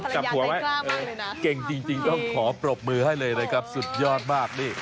จับหัวไว้เก่งจริงต้องขอปรบมือให้เลยนะครับสุดยอดมากนี่